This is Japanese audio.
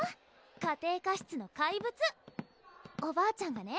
家庭科室の怪物おばあちゃんがね